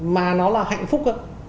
mà nó là hạnh phúc